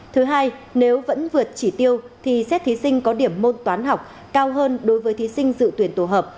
thứ hai nếu vẫn vượt chỉ tiêu thì xét thí sinh có điểm môn toán học cao hơn đối với thí sinh dự tuyển tổ hợp